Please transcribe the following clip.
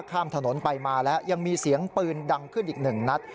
ข้ามถนนไปมาแล้วยังมีเสียงปืนดังขึ้นอีกหนึ่งนัด